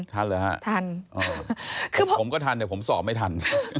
ทันเหรอฮะทันผมก็ทันแต่ผมสอบไม่ทัน